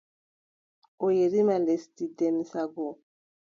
O yerima lesdi Demsa no.